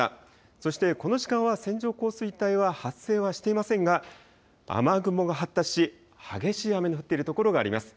そして、この時間は線状降水帯は発生はしていませんが雨雲が発達し激しい雨の降っている所があります。